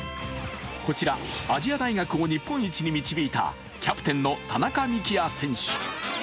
こちら、亜細亜大学を日本一に導いたキャプテンの田中幹也選手。